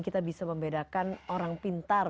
kita bisa membedakan orang pintar